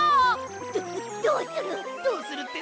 どどうする？